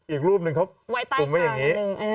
อีกรูปหนึ่งเขากลุ่มไว้อย่างนี้